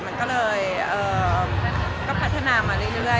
มันก็เลยพัฒนามาเรื่อย